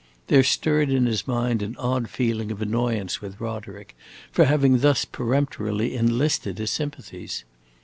There stirred in his mind an odd feeling of annoyance with Roderick for having thus peremptorily enlisted his sympathies.